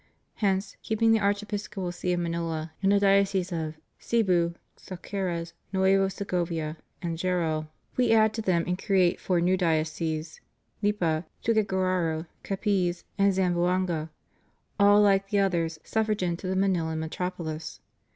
Hence, keeping the Archiepiscopal See of Manila, and the dioceses of Cebu, Caceres, Nueva Segovia, and Jaro, We add to them and create four new dioceses: Lipa, Tuguegarao, Capiz, and Zamboanga, all, like the others, suffragan to the Manilan Metropolis.